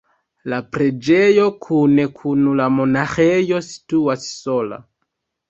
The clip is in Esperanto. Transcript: La preĝejo kune kun la monaĥejo situas sola.